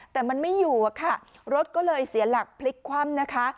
แต่มันไม่อยู่อะค่ะรถก็เลยเสียหลักพลิกคว่ำนะคะ